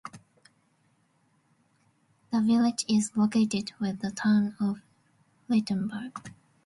The village is located within the Town of Wittenberg.